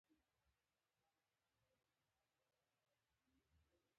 د کندهار انار ډیرې اوبه لري.